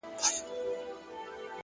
د حقیقت اورېدل د ودې پیل دی؛